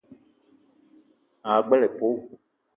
Ma gbele épölo